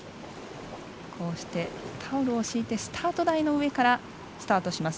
こうして、タオルを敷いてスタート台の上からスタートします。